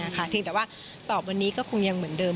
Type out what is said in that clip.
แต่ว่าตอบวันนี้ก็คงยังเหมือนเดิม